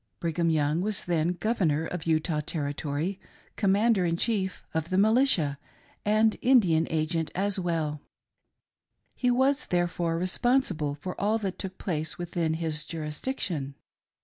Brigham Young was then Governor of Utah Territory, Commanderrin Chief of the Militia, and Indian Agent as well :— he was there fore responsible for all that took place within his jurisdiction.